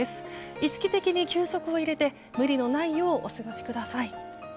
意識的に休息を入れて無理のないようお過ごしください。